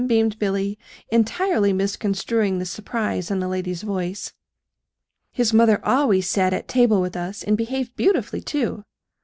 beamed Billy, entirely misconstruing the surprise in the lady's voice. "His mother always sat at table with us, and behaved beautifully, too.